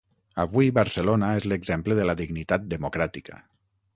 Avui Barcelona és l’exemple de la dignitat democràtica.